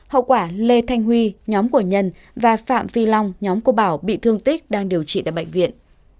hậu quả lê thanh huy nhóm của nhân và phạm phi long nhóm của bảo bị thương tích đang điều trị tại bệnh viện